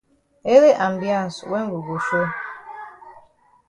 Ele ambiance wen we go show.